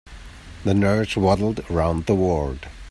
The nurse waddled around the ward.